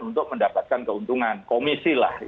untuk mendapatkan keuntungan komisi lah